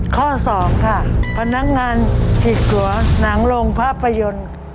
ข้อสองค่ะพนักงานผิดตัวหนังลงภาพยนตร์